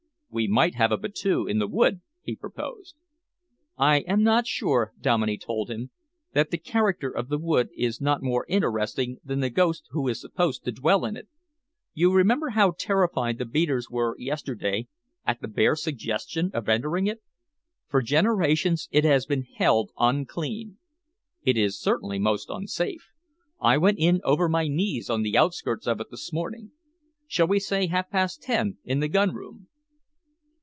"We might have a battue in the wood," he proposed. "I am not sure," Dominey told them, "that the character of the wood is not more interesting than the ghost who is supposed to dwell in it. You remember how terrified the beaters were yesterday at the bare suggestion of entering it? For generations it has been held unclean. It is certainly most unsafe. I went in over my knees on the outskirts of it this morning. Shall we say half past ten in the gun room?"